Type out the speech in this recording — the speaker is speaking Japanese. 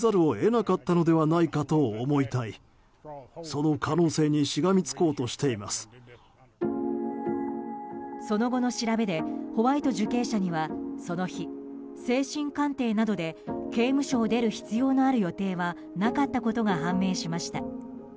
その後の調べでホワイト受刑者にはその日、精神鑑定などで刑務所を出る必要がある予定はなかったことが判明しました。